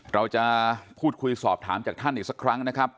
เราจะพูดคุยสอบถามจากท่านอีกสักครั้งนะครับ